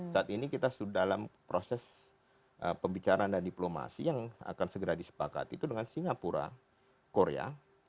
saat ini kita sudah dalam proses pembicaraan dan diplomasi yang akan segera disepakati itu dengan singapura korea